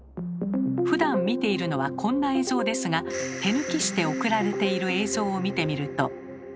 ふだん見ているのはこんな映像ですが手抜きして送られている映像を見てみると。